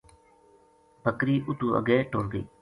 بکری اُتو اگے ٹر گئی۔